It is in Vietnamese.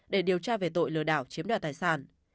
để điều tra về tội lừa đảo chiếm đoạt tài sản